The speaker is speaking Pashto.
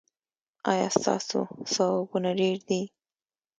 ایا ستاسو ثوابونه ډیر دي؟